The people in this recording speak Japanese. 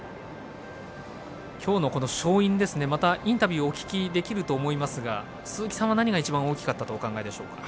今日の、この勝因ですねまたインタビューをお聞きできると思いますが鈴木さんは何が一番大きかったとお考えでしょうか？